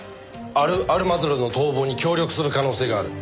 アル・アルマズルの逃亡に協力する可能性がある。